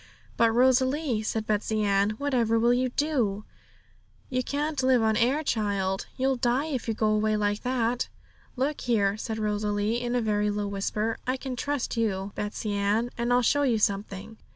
'But, Rosalie,' said Betsey Ann, 'whatever will you do? You can't live on air, child; you'll die if you go away like that!' 'Look here,' said Rosalie, in a very low whisper, 'I can trust you, Betsey Ann, and I'll show you something.'